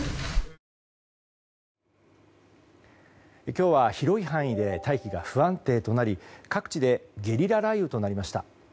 今日は広い範囲で大気が不安定となり各地でゲリラ雷雨となりました。